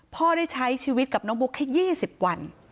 พ่อได้ใช้ชีวิตกับน้องบุ๊กแค่๒๐วัน